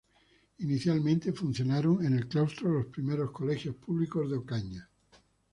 Inicialmente, funcionaron en el claustro los primeros colegios públicos de Ocaña.